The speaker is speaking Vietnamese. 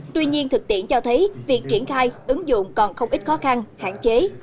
tuy nhiên thực tiễn cho thấy việc triển khai ứng dụng còn không ít khó khăn hạn chế